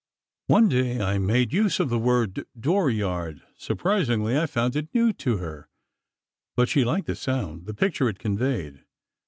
One day I made use of the word "dooryard." Surprisingly, I found it new to her, but she liked the sound—the picture it conveyed.